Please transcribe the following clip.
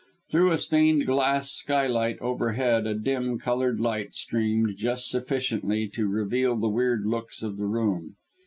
Through a stained glass skylight overhead a dim, coloured light streamed just sufficiently to reveal the weird looks of the room.